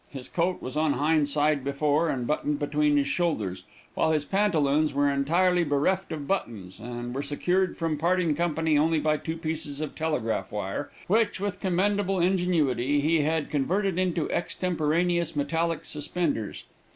His coat was on hind side before, and buttoned between his shoulders, while his pantaloons were entirely bereft of buttons, and were secured from parting company only by two pieces of telegraph wire which, with commendable ingenuity, he had converted into extemporaneous metallic suspenders.